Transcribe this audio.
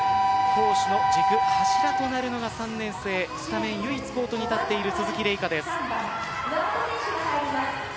攻守の軸柱となるのが３年生、スタメン唯一コートに立っている鈴木玲香です。